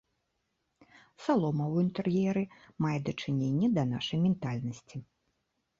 Салома ў інтэр'еры мае дачыненне да нашай ментальнасці.